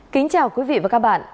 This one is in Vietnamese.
kính chào quý vị và các bạn